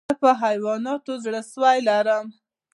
زه پر حیواناتو زړه سوى لرم.